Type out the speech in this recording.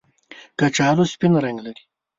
کچالو سپین رنګ لري